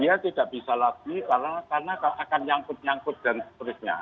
dia tidak bisa lagi karena akan nyangkut nyangkut dan seterusnya